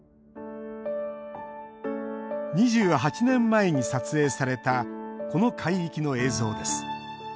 ２８年前に撮影されたこの海域の映像です。